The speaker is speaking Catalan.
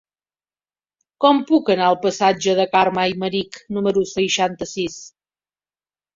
Com puc anar al passatge de Carme Aymerich número seixanta-sis?